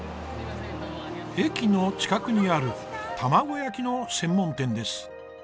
駅の近くにある卵焼きの専門店です。